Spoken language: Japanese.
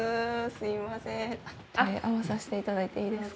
すいません手合わさせていただいていいですか？